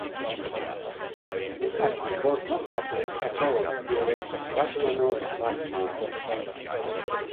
In fact it was not published at all during Rachmaninoff's lifetime.